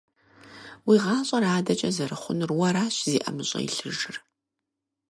Уи гъащӀэр адэкӀэ зэрыхъунур уэращ зи ӀэмыщӀэ илъыжыр.